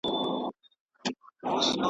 دا يې زېری دطغيان دی .